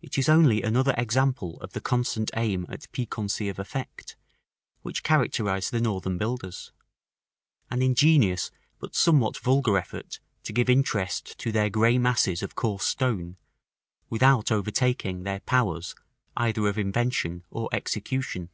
It is only another example of the constant aim at piquancy of effect which characterised the northern builders; an ingenious but somewhat vulgar effort to give interest to their grey masses of coarse stone, without overtaking their powers either of invention or execution.